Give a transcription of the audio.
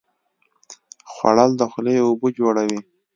خوړل د خولې اوبه جوړوي